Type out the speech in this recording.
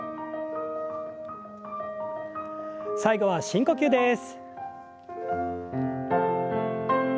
最後は深呼吸です。